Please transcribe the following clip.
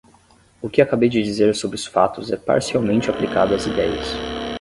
O que acabei de dizer sobre os fatos é parcialmente aplicado às idéias.